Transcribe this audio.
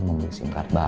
membeli sim cardnya